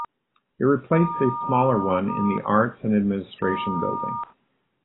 It replaced a smaller one in the Arts and Administration building.